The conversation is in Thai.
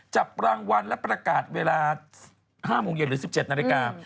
จับรางวัลและประกาศเวลา๕โมงเย็นหรือ๑๗นาฬิกา